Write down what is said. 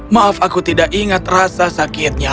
maaf aku tidak ingat rasa sakitnya